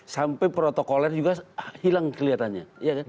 sampai protokoler juga hilang kelihatannya